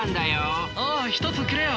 おお１つくれよ。